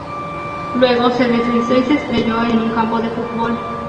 Luego se deslizó y se estrelló en un campo de fútbol.